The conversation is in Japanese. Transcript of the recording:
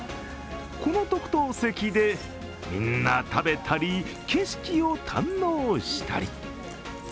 この特等席で、みんな食べたり、景色を堪能したり。